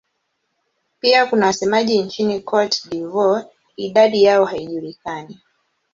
Pia kuna wasemaji nchini Cote d'Ivoire; idadi yao haijulikani.